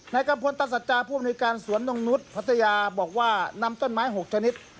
กัมพลตสัจจาผู้อำนวยการสวนนกนุษย์พัทยาบอกว่านำต้นไม้๖ชนิด